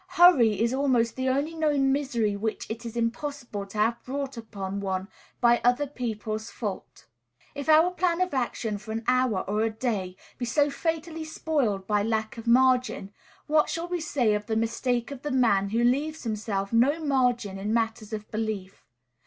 Hurry is almost the only known misery which it is impossible to have brought upon one by other people's fault. If our plan of action for an hour or a day be so fatally spoiled by lack of margin, what shall we say of the mistake of the man who leaves himself no margin in matters of belief?